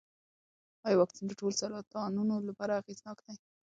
ایا واکسین د ټولو سرطانونو لپاره اغېزناک دی؟